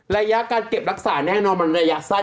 ระยะการเก็บรักษาแน่นอนมันระยะสั้น